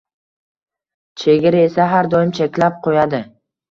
chegara esa har doim cheklab qo‘yadi.